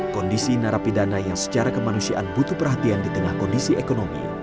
kondisi narapidana yang secara kemanusiaan butuh perhatian di tengah kondisi ekonomi